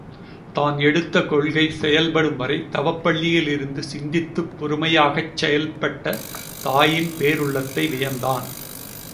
தான் எடுத்த கொள்கை செயல்படும்வரை தவப் பள்ளியில் இருந்து சிந்தித்துப் பொறுமையாகச் செயல்பட்ட தாயின் பேருள்ளத்தை வியந்தான்.